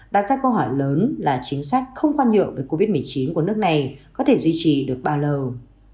đặt ra câu hỏi lớn là chính sách không khoan nhượng với covid một mươi chín của nước này có thể duy trì được bao lâu